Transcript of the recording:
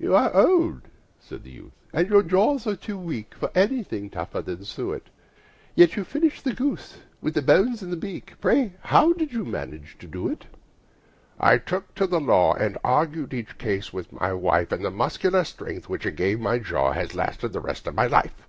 "You are old," said the youth, "and your jaws are too weak For anything tougher than suet; Yet you finished the goose, with the bones and the beak Pray, how did you manage to do it?" "In my youth," said his fater, "I took to the law, And argued each case with my wife; And the muscular strength, which it gave to my jaw, Has lasted the rest of my life."